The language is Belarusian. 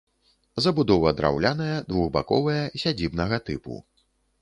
Забудова драўляная, двухбаковая, сядзібнага тыпу.